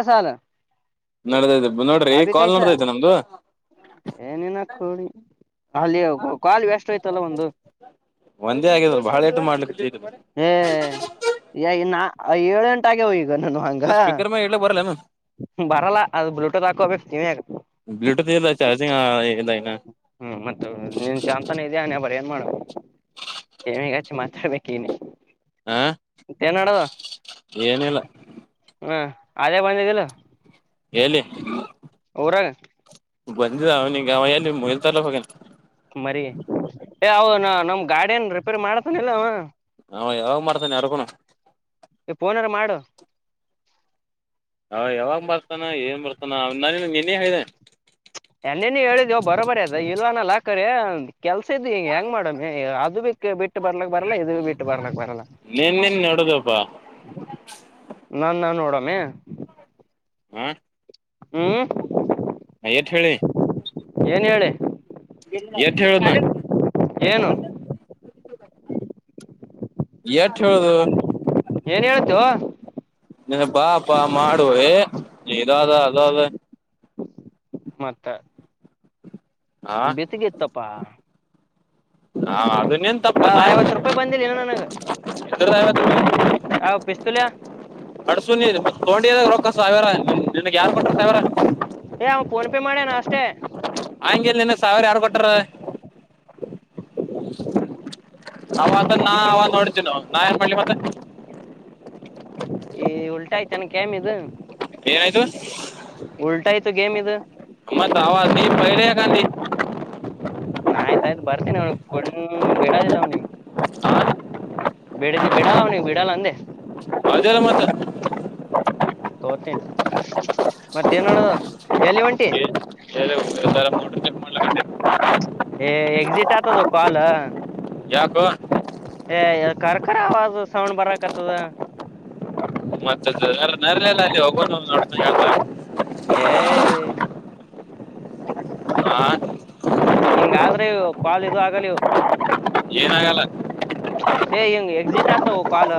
A ಸಾಲ ನಡ್ದೈತೆ ನೋಡ್ರಿ ಅಭಿ ಕಾಲ ಕೈಸ ನಡದೈತ ನಮ್ದು ಏನಿನ ಕೊಡಿ ಅಲ್ಲಿ ಕಾಲು ವೆಸ್ಟ್ಯ್ತಲ್ಲ ಒಂದು ಒಂದೇ ಆಗ್ಯದ ಬಹಳ ಏಟು ಮಾಡ್ಲಿಕ್ಕೆ ಇದು ಹ ಯ ಇನ ಆ ಏಳು ಎಂಟ ಆಗ್ಯವ ಈಗ ನನ್ನುವ್ ಹಂಗ ಸ್ಪೀಕರ್ ಮ್ಯಾಗ ಇಡ್ಲಕ್ ಬರಲ್ಲೇನು ಬರಲ್ಲ ಅದ ಬಿ ಟೂತ್ ಹಾಕೋಬೇಕ್ ಕಿವಿಯಾಗ್ ಇದನ ಹ್ಮ್ ಮತ್ತ ನಿನ್ ಚಾನ್ತಾನ ಇದೆ ಹಣೆಬರ ಏನ್ ಮಾಡುದ ಈಗ್ ಹಚ್ಚಿ ಮಾತಾಡ್ಬೇಕೀನಿ ಹಾ ಮತ್ತಏನ್ ನಡ್ದದ ಏನಿಲ್ಲ ಹಾ ಅದೇ ಬಂದಿದಲ್ಲ ಎಲಿ ಬಂದ ಅವನಿಿಗೆ ಅವಲ್ಲಿ ಮನೀತನ ಹೋಗ್ಯಾನ್ ಮರಿೀ ಏ ಅವನ ಹೌದು ನಮ್ ಗಾಡ ಏನ್ ರಿಪೇರ್ ಮಾಡತಾನ ಇಲ್ಲವ ಅವ ಯಾವಾಗ್ ಮಾಡ್ತೇನೆ ಯಾರಿಗ್ ಖುನಾ ಪೋನಾರ ಮಾಡು ಅವ ಯಾವಾಗ ಬರ್ತಾನ ಏನ್ ಬರ್ತಾನ ನಾನ ನಿನ್ನೆ ಹೇಳಿದೆ ನೆನ್ನೆನ ಹೇಳಿದವು ಬರೋ ಬರ ಅದ ಇಲ್ ಅನ್ನಲ್ಲ ಕರೆ ಕೆಲ್ಸದ ಈಗ್ ಹೆಂಗ ಮಾಡಮ ಅದು ಬಿ ಬಿಟ್ಟು ಬರ್ಲಕ್ ಬರಲ್ಲ ಇದು ಬಿ ಬಿಟ್ಟು ಬರ್ಲಕ್ ಬರಲ್ಲ ನಿನ್ ಎಡದೋಪಾ ನಾ ನಾ ನೋಡಾಮೀ ಹ ಹ್ಮ್ ಎಠ ಹೇಳಿನಿ ಏನ್ ಹೇಳಿ ಏಟು ಹೇಳಿದನಾ ಏನು ಏಟು ಹೇಳದನೋ ಏನ್ ಹೇಳ್ತೋ ನೀನ್ ಬಾಪ ಲ್ಲಲ್ಲ ಮತ್ತ ಹಾ ಬಿತಿಗೆತ್ತಪ್ಪಾ ಹಾ ಅದೇ ನಿನ್ ತಪ್ಪ ಆ ಏನಾ ಐವತ್ ರೂಪಾಯಿ ಬಂದಿಲ್ಲ ಇನ್ನು ನನಗ ಇದರ [unintelligible] ಆ ಪಿಸ್ತೂಲ್ಯ ಅಡ್ಸುಣಿ ತೋೊಂಡಿದಾಗ ರೊಕ್ಕ ಸಾವಿರ ನಿನ್ಗ್ ಯಾರು ಕೊಟ್ರ ಸಾವಿರ ಫೋನ್ಪೇ ಮಾಡ್ಯಣ ಅಷ್ಟೇ ಹಂಗೆಲ ನಿನಗ ಸಾವಿರ ಯಾರ್ ಕೊಟ್ರ ಅವಾಗ ನಾ ಅವಾಗ ನೋಡತೀನ ನಾ ಏನ್ ಮಾಡಿ ಮತ್ತ ಈ ಉಲ್ಟ ಆಯ್ತನ ಕೆಮಿದು ಏನಾಯ್ತು ಉಲ್ಟ ಆಯ್ತು ಗೇಮ್ ಇದು ಅಮ್ಮತ್ [unintelligible] ಗಾಂಧಿ ನ ಆಯ್ತ ಆಾಯ್ತು ಬರ್ತೇನೆಿ ಅವನ ಕೊಂಡ ಬಿಡೋದಿಲ್ಲ ಅವನಿಗೆ ಆ? ಬಿಡಲ್ ಬಿಡಾಲ ಅವ್ನಿಗೆ ಬಿಡಲ್ಲ ಅಂದೆ ಅದೆಲ್ಲ ಮತ್ತ ತೋತೀನಿ ಮತ್ತ ಏನ್ ನಡದದ ಎಲ್ಲಿಗ ಒಂಟಿ ಏ- [unintelligible] ಏ ಎಕ್ಸಿಟ್ ಆತದೋ ಕಾಲ್ ಯಾಕೋ ಏ ಕಖರ್ಖರ ಆವಾಜ ಸೌಂಡ್ ಬರಕತ್ತದ ಮತ್ತದ ನರ್ಲೆಲ್ಲ ಅಲ್ಲಿ ಹೋಗ ನೋಡ್ತ ಹತ ಏ ಹಾ ಹಿಂಗಾದ್ರೆ ಇವು ಕಾಲ್ ಇದು ಆಗಲಿವು ಏನ ಆಗಲ್ಲ ಏ್ ಎಂಗ ಎಕ್ಸಿಟ್ ಆತ ಕಾಲ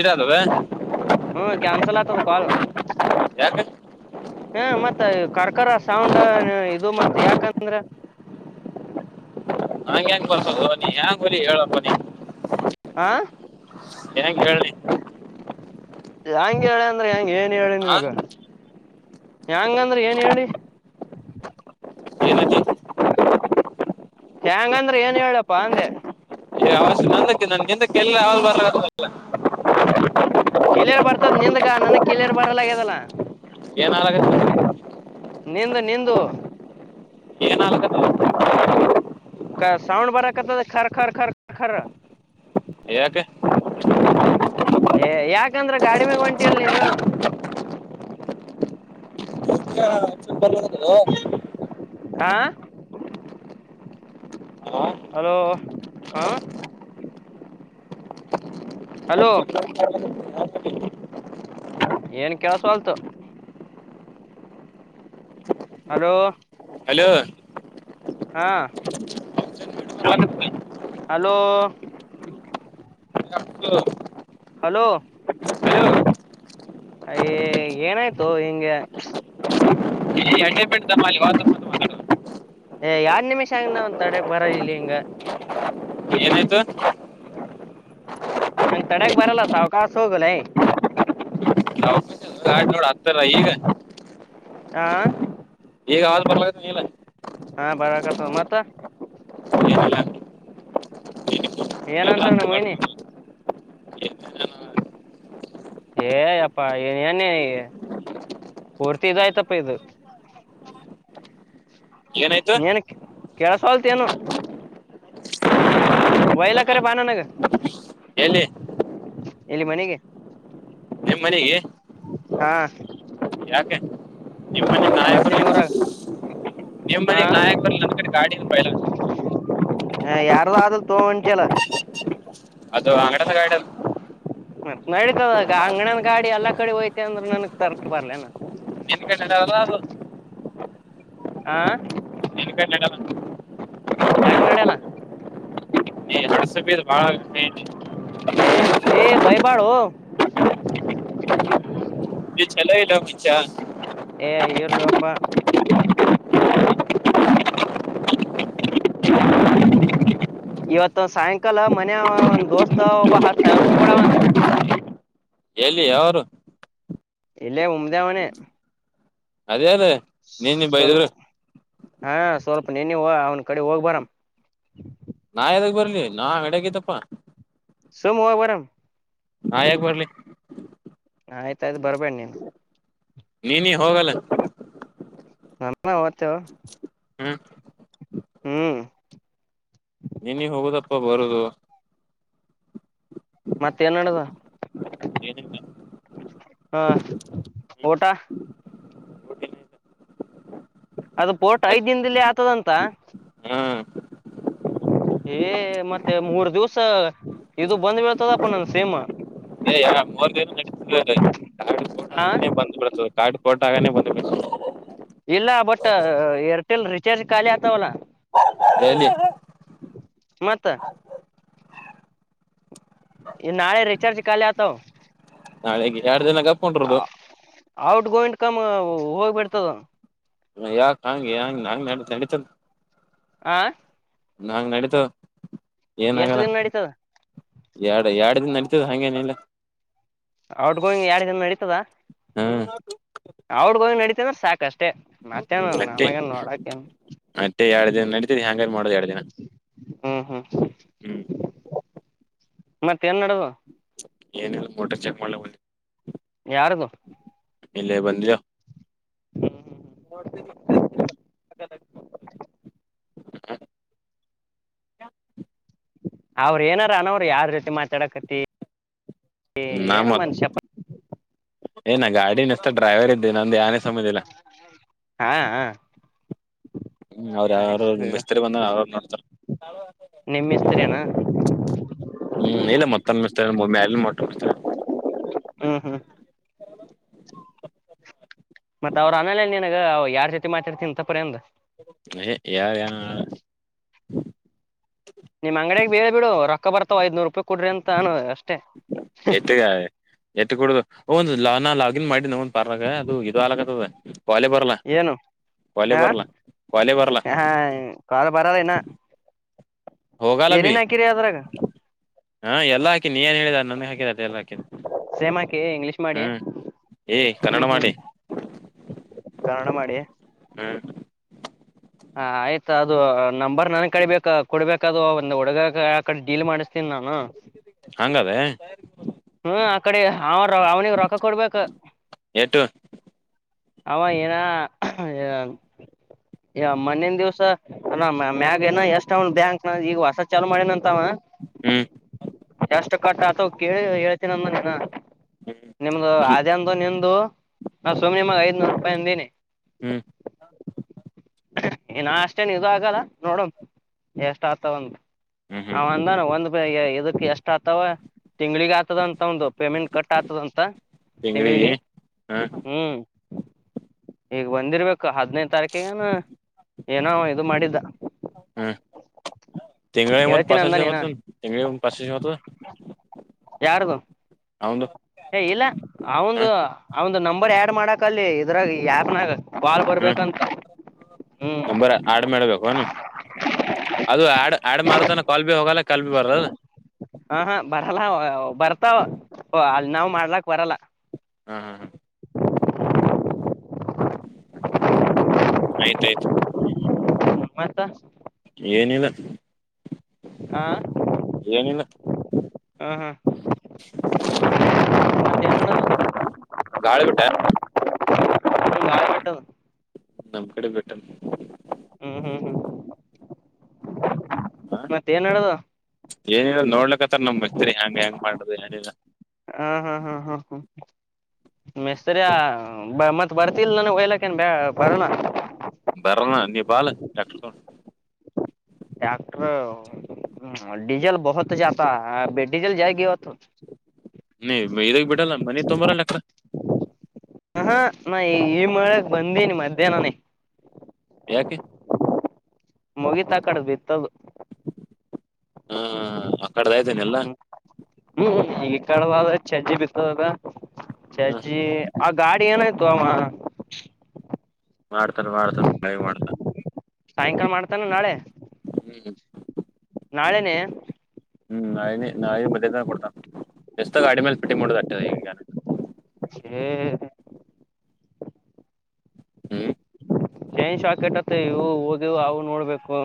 ಇದಾದವೇ ಹ್ಮ್ ಕ್ಯಾನ್ಸಲ್ ಆತದು ಕಲ್ ಯಾಕ ಹ ಮತ್ತ ಕರ್ಕರ ಸೌಂಡ್ ಇದು ಮತ್ತ್ ಯಾಕಂದ್ರ ಹಂ ಹೆ್ಯಾಂಗ ಬರ್ತಲ್ ನೀ ಹ್ಯಾಂಗ ಹೊಿ ಹೇಳಪ್ಪ ನೀ ಆಾ ಏಂಗ ಹೇಳಿ ಹೆಂಗಗೆ ಹೇಳಿ ಅಂದ್ರೆ ಹೆಂಗಗೆ ಏನ್ ಹೇಳಿ ಆ ನಿನ್ಗ ಯಂಗಂದ್ರೆ ಏನ್ ಹೇಳಿ ಏನೈತಿ ಹೆ್ಯಾಂಗಂದ್ರೆ ಏನ್ ಹೇಳಪ್ಪಾ ಅಂದೆ ಅವ ನಂದಕ್ಕೆ ನನ್ಗೆಂತ ಕೆಲ್ಲ ಆಲ್ ಬಾರಲ್ಲ ಕಳಿಯರ್ ಬರ್ತದ್ ನಿಂದಗ ನನಗ್ ಕಿಳಿಯರ್ ಬರಲ ಆಗ್ಯದಲ್ಲ ಏನ್ ಹಾಳಾಗೋಯ್ತು ನಂದು ನಂದು ಏನ್ ಆಲಕತ್ತ ಸೌಂಡ್ ಬರಕ್ಕೆ ಕರೆ ಕರ ಕರ ಯಾಕೆ ಏ ಯಾಕಂದ್ರ ಗಾಡಿ ಮ್ಯಾಗ ಒಂಟಿಯಲ್ ನೀನು [unintelligible] ಬಸ್ಸಿಗೆ ಬರ್ತೀನಿ ಹ್ ಹಲೋ ಹಾ ಹಲೋ ಏನ್ ಕೆಲಸ ಅಲ್ತು ಹಲೋ ಹಲೋ ಹಾ ಹ [inaudible] ಹಲೋ ಹಲೋ ಯ್ ಏನಾಯ್ತು ಹಿಂಗೆ ಈ ಅಣ್ಣೆ ಬೆಟ್ಟ ಬಾ ಮಾತಾಡೋ ಏ ಯಾರ್ ನಿಮಿಷ ಆಗನ ಒಂದ ತಡೆಕ್ ಬರ ಇಲ್ಲ ಹಿಂಗ ಏನಾಯ್ತು ಹಂಗ್ ತಡಕ್ ಬರಲ್ಲ ಸಾವ್ಕಾಾಸ ಹೋಗಲ್ಲ ಆಡ್ ನೋಡ್ ಹತ್ತಾರ ಈಗ ಹಾ ಈಗ ಹಾಲ್ ಬರ್ಲತ್ ನೀಲ ಹಾ ಬರಕತ್ತವ ಮತ್ತ ಲ್ಲ [inaudible] ಏನ ಅಂತಾರ ನ ಮಹನಿ ಏ ಅಪ್ಪ ನೇ ಪೂರ್ತಿ ಇದಾಯತಪ್ಪ ಇದು ಏನಾಯ್ತು ಕೆೇಳಸ ಹೊಲ್ತ್ ಏನು ವಯಲ್ಲ ಹಾ ಕರ ಬಾನ ನ ಗ ಎಲ್ಲಿ ಎಲ್ಲಿ ಮನೆಗೆ ನಿಮ್ ಮನೆಗೆ ಹಾ ಯಾಕೆ ನಿಮ್ಮನಿ ನಾಯಕರು ಬರ್ತೀನಿ ಊರಾಗ ಹಾ ನಿಮ್ಮನೆ ನಾಯಕರು ನನ್ನ ಕಡೆ ಗಾಡಿದ ಪಯಲ ಹ ಯಾರ್ದು ಆದ್ರ ತಗಂಟಿ ಅಲ್ಲ ಅದು ಅಂಗಡನ ಗಾಯಡಲ್ ಮತ್ ನಡತದ ಅಂಗಡನ್ ಗಾಡಿ ಎಲ್ಲಾ ಕಡೆ ಹಯ್ತೆ ಅಂದ್ರ ನನಗ್ ತರ್ ಬರ್ಲನ ನಿನ್ ಕಟ್ಟಿದಾವಲ್ಲ ಅದು ಹಾ ಕ [inaudible] ಯಾಕ ನಡ ಅಲ್ಲ ನೀ ಹಡಸು ಬೀದ್ ಬಾಳ ಆಗೈತಿ. ಹ ಭಯಪಳ ಹ [unintelligible] ಇ ಚಲೋ ಇಲ್ಲ ಮುಂಚ ಹಲ ಅಪ್ಪ ಹ ಇವತ್ತುದ ಸಾಯಂಕಾಲ ಮನ್ಯ ಒಂದ್ ದೋಸ್ತ್ ಒಬ್ಬ ಹತ್ ಸಾವಿರ ರೂಪಾಯಿ ಕೊಡವಣ [unintelligible] ಎಲ್ಲಿಿ ಅವರು ಇಲ್ಲ ಉಮದ ಮನೆ ಅಾರ ನೀನ್ ನಿ ಬ ಇದ್ರ ಹಾ ಸ್ವಲ್ಪ ನೆನ ಅವನ ಕಡೆ ಹೋಗ್ ಬರಾಮ ನಾ ಯದಾಗ ಬರ್ಲಿ ನಾ ಎಡಗತಪ್ಪ ಸೋಮವ ಬರಾಮ ನಾ ಯಾಕ ಬರ್ಲಿ ಆಯ್ತಾಯಯ್ತು ಬರ್ಬೇಣ ನೀನು ನೀನ ಹೋಗಲ್ಲ ನನ್ನ ತ್ತವು ಹ್ಮ್ ಹ್ಮ್ ನಿನಗೆ ಹೋಗದಪ್ಪ ಬರುದು ಮತ್ತೇಏನ್ಡದ ಏನಿಲ್ಲ ಹಾ ಊಟಾ ಅದ ಪೋಟ ಮತ್ ಐದ್ ದಿನದಲ್ಲಿ ಆತದಂತ ಹ್ಮ್ ಹ ಏ ಮತ್ತೆ ಮೂರ್ ದಿವ್ಸ ಇದು ಬಂದ್ ಬೀಳ್ತದಪ್ಪ ನನ್ ಸೇಮ ಮೂರ್ ದಿನ ನಡತ ಕಾರ್ಡ್ ಕೋಟ ಆ ಆಗಾನೇ ಬಂದ್ ಬಿಡತದೆ ಕಾರ್ಡ್ ಕೋಟ ತಗೆ ಬಂದಬೇಕ ಇಲ್ಲ ಬಟ್ ಏರ್ಟೆಲ್ ೀಚಾರ್ಜ್ ಖಾಲಿ ಆತವಲ್ಲ ಎಲಿ ಮಾತ ಇ ನಾಳೆ ರರಿಚಾರ್ಜ ಕಲ್ತ ನಾಳೆೆಗೆ ಎರಡ್ ದಿನ ಕಪ್ಡರುದು ಔಟ್ ಗೋಯಂಟ್ ಕಮ್ ಹೋಗ್ಬಿಡ್ತದ ಯಾಕ ಹಂಗಗೆ ಹಂಗ ನಂಗ ನಡ ನಡಿತ ಆಾ ನಂಗ ನಡೀತವ ಏನ ಎಷ್ಟ್ ಆಗಲ್ಲ ದಿನ ನಡೀತದ ಎರಡು ನಡತದ ಹಂಗೇನಿಲ್ಲ ಔಟ್ ಗೋಯಿಂಗ್ ಎಡು ಜನ ನಡೀತದ ಹ್ಮ್ ಅವಡ್ಗ ಹೋಗಿ ನಡಿತ ಅಂದ್ರ ಸಾಕಷ್ಟೇ ಮತ್ತೇನು ಅಟ್ಟೆ ನಮಗನ್ ನೋಡಕನು ಅಟ್ಟೆ ಎರಡ್ ದಿನ ನಡೀತದೆ ಹ್ಯಾಂಗಾರ ಮಾಡೋದು ಎರಡ್ ದಿನ ಹ್ಮ್ ಹ್ಮ್ ಹ್ಮ್ ಮತ್ತೆ ನ್ ನಡದು ಏನಿಲ್ಲ ಮೋಟರ್ ಚೆಕ್ ಮಾಡ್ಲ ಯಾರ್ದು ಇಲ್ಲ ಬಂದಯ ಅವ್ರ ಏನಾರ ಅನೋ್ರ ಯಾರ್ ರೀತಿ ಮಾತಾಡಕತಿ ಏನು ಮನುಷ್ಯಪ್ಪ ಏನಾ ಗಾಡಿನ ಎಷ್ಟ ಡ್ರೈವರ್ ಇದ್ದೆ ನಂದು ಯಏ ಹಾ ಹಾ ಹ್ಮ್ ಅವ್ಯಾರರು ಆಯ್ತು ಬಿಸ್ತರ್ ಬಂದ ಅವ್ರು ನೋಡ್ತಾರೆ ನಿಮ್ಮ್ತರಿನಾ ಹ್ಮ್ ಇಲ್ಲ ಮತ್ತಿಸ್ತ ಮಟ್ಟೋಗಿಸ್ತಾರೆ ಹ್ಮ್ ಹ್ಮ್ ಮತ್ತತ್ ಅವ್ರ ಅನಾಲಲ್ಲಿ ಏನಾಗ ಯಾರ್ ಜೊತೆ ಮಾತತಿರ್ತೀನಂತ ಪರಿಂದ ಹ ಯಾರ ಾನ ನಿಮ್ ಅಂಗಡಗ್ ಬೇಳ್ ಬಿಡು ರೊಕ್ಕ ಬರ್ತಾವ ಐದ್ನೂರು ರೂಪಾಯಿ ಕೊಡ್ರಿ ಅಂತ ಅಾನ ಅಷ್ಟೇ ಎತ್ಗ ಎತ್ತು ಕುೂಡುದು ಒಂದು ಲನ ಲ ನ್ ಮಾಡಿ ನ ಒಂದು ಪಾರ್ಾಗ ಅದು ಇದು ಆಗ್ತದ ಕಾಲ ಬರಲ ಏನು ಕಾಲ ಆ ಬರ್ಲ ಕಾಲ ಬರಲ ಕಾಲ ಪರಲ್ಲನ್ನ ಹೋಗಲ್ಲ ಬಿ ಏನೇನ್ ಹಾಕಿರಿ ಅದ್ರಾಗ ಹಾ ಎಲ್ಲ ಹಾಕಿನಿ ನ್ ಹೇಳಿದ ನನ್ಗೆ ಹಾಕಿದ ಅ ಎಲ್ಲಾಿ ಸೇಮ್ ಹಾಕಿ ಇಂಗ್ಲೀಷ್ ಮಾಡಿ ಹ್ಮ್ ಏ ಕನ್ನಡ ಮಾಡಿ ಕಾರಣ ಮಾಡಿ ಹ್ಮ್ ಹ ಆಯ್ತ ಅದು ನಂಬರ್ ನನ್ ಕಡಿಬೇಕ ಕೊಡ್ಬೇಕ ಅದು ಒಂದ ಹುಡುಗ ಆ ಕಡೆ ಡೀಲ್ ಮಾಡಿಸ್ತೀನ್ ನಾನು ಹಂಗದ ಹ್ಮ್ ಆ ಕಡೆ ಅವ ಅವನಿಿಗೆ ರೊಕ್ಕ ಕೊಡ್ಬೇಕ ಎಟು ಅವ ಏನ ಯ ಮೊನನ್ ದಿವ್ಸ ಅ ಮ್ಯಾಗ ಏನ ಎಷ್ಟ ಅವನ್ ಬ್ಯಾಂಕ್ನ ಈಗ ಹೊಸ ಚಾಲೂ ಮಾಡೇನ ಅಂತವ ಹ್ಮ್ ಎಷ್ಟು ಕಟ್ಟ ಅಥವಾ ಕೇಳಿ ಹೇಳ್ತೀನ ಅಂದನ ನಿಮ್ದು ಅೇಂದು ನಿಮ್ದ ನ ಸುಮ್ ನಿಮ ಐದನೂರು ರೂಪಾಯಿ ಅಂದೀಿನಿ ಹ್ಮ್ ಇ ನಾ ಅಷ್ಟೇನ್ ಇ ಆಗಲ್ಲ ನೋಡಣ ಎಷ್ಟ ಆತದ ಒಂದು ಹ್ಮ್ ಹ್ಮ್ ಅವಂದಾನ ಒಂದ್ ಇದಕ್ ಎಷ್ಟ ಆತವ ತಿಂಗ್ಳಗ್ ಆತದ ಅಂತ ಒಂದು ಪೇಮೆಂಟ್ ಕಟ್ ಆತದಂತ ತಿಂಗಡಿ ತಿಂಗ್ಳಿಗೆ ಹ್ಮ್ ಈಗ ಬಂದಿರ್ಬೇಕು ಹದ್ನೈ ತಾರೀಕಿಗೆನು ಏನೋ ಇದು ಮಾಡಿದ್ದ ತೆಂಗಗಳಳ ಇಂದು ಪಾ ಹೇಳ್ತೀನಿ ಅಂದಾನ ಏನ ಹೊತ್ತು ತೆಂಗಳ ಪಾಚಷ ಹೊತ್ತು ಯಾರಗು ಹೌದು ಏ ಇಲ್ಲ ಅವಂದು ಅವಂದು ನಂಬರ್ ಆಡ್ ಮಾಡಕ್ ಅಲ್ಲಿ ಇದ್ರಾಗ ಯಾಕನಾಗ ಬಾಲ್ ಹ ಬರ್ಬೇಕಂತ ಹ್ಮ್ ನಂಬರ್ ಆಡ್ ಮಾಡ್ಬೇಕು ಅನು ಅದು ಆಡ್ ಆಡ್ ಮಾಡತಾನ ಕಾಲ್ ಬಿ ಹೋಗಲ್ಲ ಕಲ್ ಭ ಬರ್ರ ಹಾ ಹಾ ಬರಲ್ಲ ಬರ್ತಾವ ಅಲ್ಲಿ ನಾವ್ ಮಾಡ್ಲಾಕ್ ಬರಲ್ಲ ಹ ಹ ಆಯ್ತಾಯ್ತು ಹ ಮಾ್ತಾ ಏನಿಲ್ಲ ಹಾ ಏನಿಲ್ಲ ಹಾ ಹಾ ಗಾಳಿ ಬಿಿಟ ನ ನಳಟ್ಟ ನಮಕಡ ಪೆಟ್ಟು ಹ್ಮ್ ಹ್ಮ್ ಹ್ಮ್ ಮತ್ತ ಏನ್ಡ್ದ ಏನರ ನೋಡ್ಲಕ್ಕತ್ತಾರ ನಮ್ಕ್ತರಿ ಹೆ್ಯಾಂಗ ಹೆಂಗ ಮಾಡ್ರಿ ಏನಿಲ್ಲ ಹಾ ಹಾ ಹಾ ಹಾ ಹಾ ಮಿಸ್ತ್ರಿಯ ಮತ್ತ್ ಬರ್ತಿಲ್ ನಾನ ಒಯ್ಲಕ್ಕೇನ್ ಬ ಬರೋಣ ಬರೋಣ ನೀ ಬಾಲಕ್ ಡಾಕ್ಟರು ಹ್ಮ ಡಜಲ್ ಬಹತ [inaudible] ಜಾತ ಡಿಸಲ್ ಜಾಯಗ ಹೊತ್ತುು ನೀ ಇದ್ ಬಿಡಲ್ಲ ಮನಿ ತೊಂಬರಲ್ಲಕ್ಕ ಹಾ ನಾ ಈ ಈ ಮಗ್ ಬಂದನಿ ಮಧ್ಯಾಹ್ನನೇ ಯಾಕೆ ಮುಗಿತಾ ಕಡ್ದ್ ಬಿತ್ತದು ಹ ಆ ಕಡೆದ ಇದ್ದೇನೆ ಎಲ್ಲ ಹ್ಮ್ ಹ್ಮ್ ಈಗ ಈ ಕಡ ಚಜ್ಜಿ ಬಿತ್ತದದ ಚಾಚಿಯ ಗಾಡಿ ಏನಾಯ್ತು ಮಾಮಾ ಮಾಡ್ತಾರ ಮಾಡ್ತಾರ ಮಾಡ್ತ ಸಾಯಂಕಾಲ ಮಾಡ್ತಾನ ನಾಳೆ ಹ್ಮ್ ನಾಳೆನೆ ಹ್ಮ್ ನಾಳೆನೆ ನಾಳೆ ಮಧ್ಯಾಹ್ನ ಮೇಲೆ ಕೊಡ್ತಾ ವ್ಯಸ್ತ ಅಡಿಮೇಲ್ ಪಿಟ್ಟಿು ತಟ್ಟ ಹ್ಮ್ ಹ್ಮ್ ಚೈನ್ ಶಾಕೆಟ್ತ್ತ ಇವು ಹೋಗಿವವು ಅವು ನೋಡ್ಬೇಕು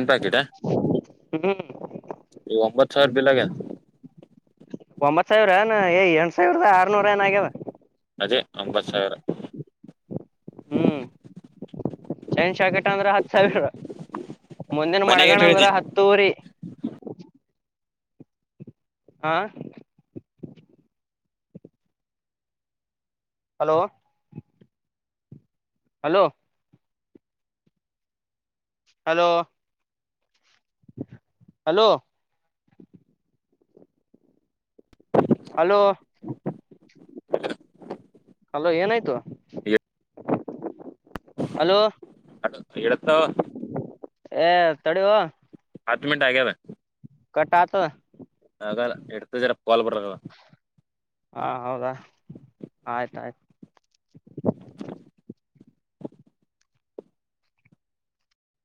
ನ್ ಪ್ಯಾಕೆಟಾ ಹ್ಮ್ ಇ ಒಂಬತ್ತು ಸಾವಿರ ಬಿಲ್ಲಾಗಿದೆ ಒಂಬತ್ ಸಾವಿರ ಏನ್ಏ ಎಂಟ ಸಾವಿರದ ಆರ್ನೂರ ಏನ ಆಗ್ಯಾವ ಅದೇ ಒಂಬತ್ ಸಾವಿರ ಹ್ಮ್ ಚೈನ್ ಶಾಕೆಟ್ ಅಂದ್ರೆ ಹತ್ತು ಸಾವಿರ ಮುಂದಿನ ಮನೆಗೆ ಮಡಗಣ ಎಟ್ ಅಂದ್ರ ಹೇಳಿದಿ ಹತ್ತುವರಿ ಆ hello hello hello hello hello hello ಏನಯ್ತು ಹಲೋ ಇಡತ್ತ ಏ ತಡುವ ಹತ್ತು ಮಂಟ್ ಆಗ್ಯದ ಆತದ ಆಗ ಇಡ್ತ ಜರ ಕಾಲ್ ಬರಲ್ಲ ಹಾ ಹೌದಾ ಆಯ್ತ ಆಯ್ತು